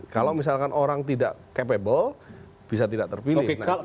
kalau misalkan orang tidak capable bisa tidak terpilih